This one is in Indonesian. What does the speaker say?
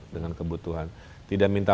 dengan kebutuhan tidak minta